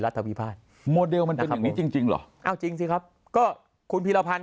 พิพาทโมเดลมันเป็นอย่างนี้จริงจริงเหรอเอาจริงสิครับก็คุณพีรพันธ